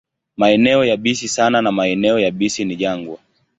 Maeneo yabisi sana na maeneo yabisi ni jangwa.